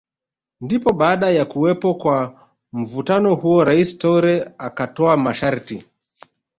Ndipo baada ya kuwepo kwa mvutano huo Rais Toure akatoa masharti